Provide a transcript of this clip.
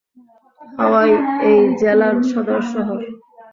হাওয়াই এই জেলার সদর শহর।